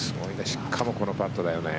しかもこのパットだよね。